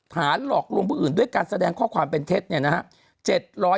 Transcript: ฐานหลอกรวมพวกอื่นด้วยการแสดงข้อความเป็นเท็จ